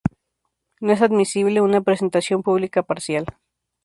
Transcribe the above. No es admisible una presentación pública parcial.